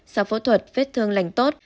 sau phẫu thuật vết thương lành tốt